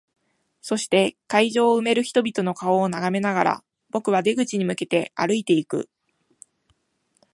そして、会場を埋める人々の顔を眺めながら、僕は出口に向けて歩いていく。